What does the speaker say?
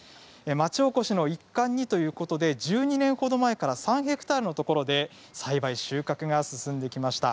町おこしの一環ということで１２年ほど前から３ヘクタールの面積で最大収穫が進んできました。